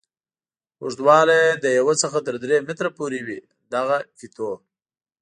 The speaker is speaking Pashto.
اوږدوالی یې له یوه څخه تر درې متره پورې وي دغه فیتو.